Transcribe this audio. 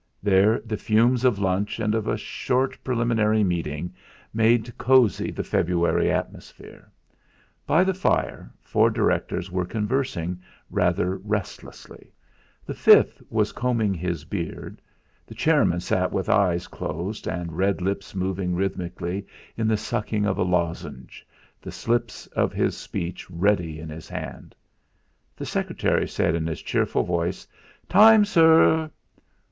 There, the fumes of lunch and of a short preliminary meeting made cosy the February atmosphere. By the fire four directors were conversing rather restlessly; the fifth was combing his beard; the chairman sat with eyes closed and red lips moving rhythmically in the sucking of a lozenge, the slips of his speech ready in his hand. The secretary said in his cheerful voice: "Time, sir."